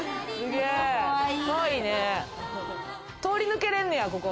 通り抜けれんねや。